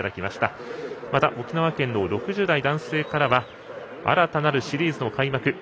また、沖縄県の６０代男性からは新たなるシリーズの開幕。